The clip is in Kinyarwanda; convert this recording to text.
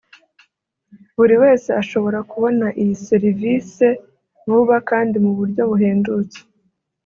buri wese ashobora kubona iyi serivise vuba kandi mu buryo buhendutse